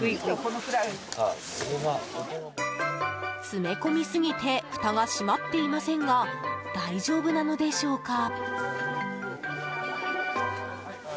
詰め込みすぎてふたが閉まっていませんが大丈夫なのでしょうか？